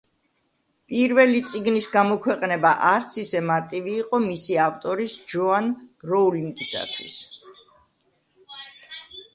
პირველი წიგნის გამოქვეყნება არც ისე მარტივი იყო მისი ავტორის, ჯოან როულინგისთვის.